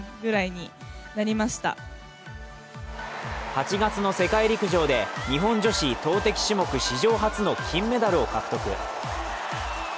８月の世界陸上で日本女子投てき種目史上初の金メダルを獲得。